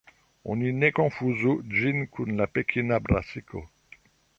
Oni ne konfuzu ĝin kun la Pekina brasiko.